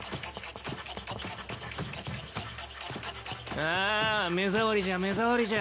あ目障りじゃ目障りじゃ。